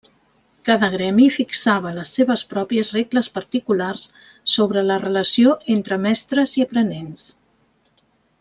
Cada gremi fixava les seves pròpies regles particulars sobre la relació entre mestres i aprenents.